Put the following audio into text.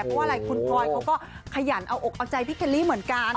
เพราะว่าอะไรคุณพลอยเขาก็ขยันเอาอกเอาใจพี่เคลลี่เหมือนกัน